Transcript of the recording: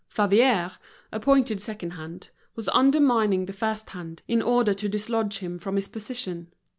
Favier, appointed second hand, was undermining the first hand, in order to dislodge him from his position.